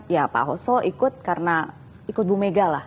ya pak oso ikut karena ikut bumega lah